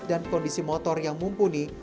dan kondisi motor yang mumpuni